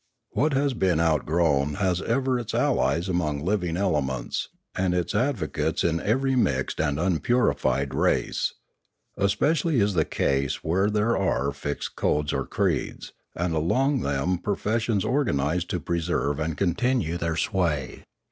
What has been outgrown has ever its allies among living elements, and its advo cates in every mixed and un purified race. Especially is this the case where there are fixed codes or creeds, and along with them professions organised to preserve and continue their sway.